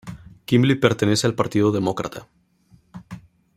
Quimby pertenece al Partido Demócrata.